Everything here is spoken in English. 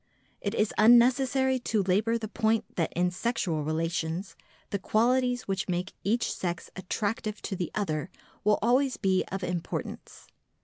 It is unnecessary to labour the point that in sexual relations the qualities which make each sex attractive to the other will always be of importance.